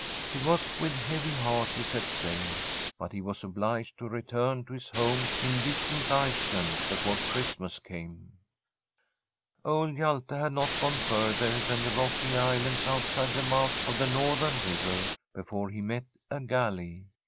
It was with a heavy heart he set sail, but he was obliged to return to his home in distant Iceland before Christmas came. [185I Fr$m M SWEDISH HOMESTEAD Old Hjalte had not gone further than the rocky islands outside the mouth of the northern river before he met a galley.